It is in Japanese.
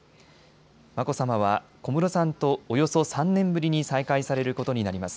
眞子さまは小室さんとおよそ３年ぶりに再会されることになります。